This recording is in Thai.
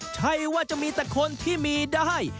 ใช่ว่าจะมีแต่คนที่มีได้